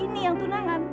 ini yang tunangan